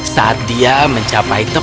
saat dia mencapainya